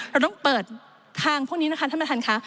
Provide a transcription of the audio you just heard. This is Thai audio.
เราต้องเปิดทางพวกนี้นะคะท่านประธานค่ะ